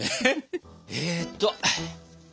えっと。